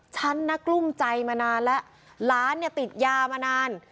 ฉันนักรุ้มใจมานานแล้วหลานติดยามานาน